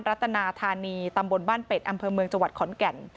รัฐนาธานีตำบลบ้านเป็ดอำเภอเมืองจังหวัดขอนแก่น